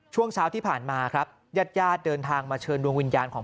ช่วงเช้าที่ผ่านมาครับญาติญาติเดินทางมาเชิญดวงวิญญาณของ